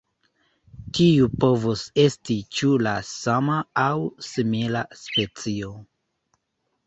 Tiu povus esti ĉu la sama aŭ simila specio.